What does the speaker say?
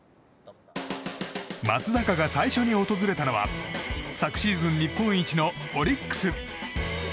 松坂が最初に訪れたのは昨シーズン日本一のオリックス。